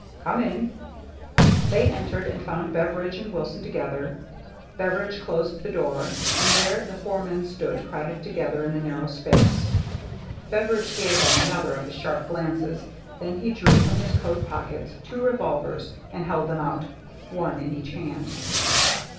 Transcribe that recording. "Come in." They entered, and found Beveridge and Wilson together. Beveridge closed the door. THE GINGHAM DRESS 261 and there the four men stood, crowded together in the narrow space. Beveridge gave them another of his sharp glances, then he drew from his coat pockets two revolvers and held them out, one in each hand.